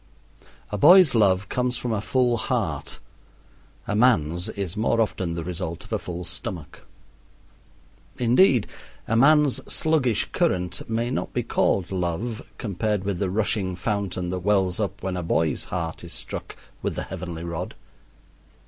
A boy's love comes from a full heart; a man's is more often the result of a full stomach. Indeed, a man's sluggish current may not be called love, compared with the rushing fountain that wells up when a boy's heart is struck with the heavenly rod.